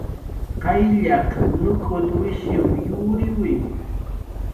Qayllaq nuk'utwishiw yuriwi